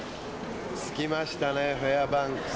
着きましたねフェアバンクス。